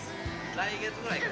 来月ぐらいかな。